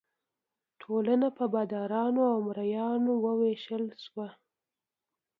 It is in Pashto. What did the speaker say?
ټولنه په بادارانو او مرئیانو وویشل شوه.